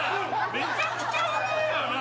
めちゃくちゃうめえよな。